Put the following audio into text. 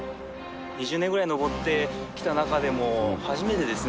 ２０年ぐらい登ってきた中でも初めてですね